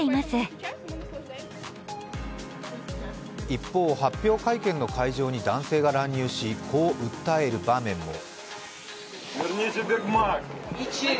一方、発表会見の会場に男性が乱入し、こう訴える場面も。